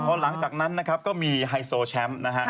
พอหลังจากนั้นนะครับก็มีไฮโซแชมป์นะฮะ